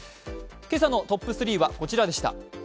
今朝のトップ３はこちらでした。